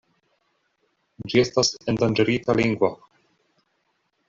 Ĝi estas endanĝerita lingvo.